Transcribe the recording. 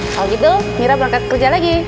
kalau gitu mira berangkat kerja lagi